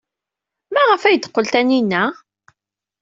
Maɣef ay d-teqqel Taninna?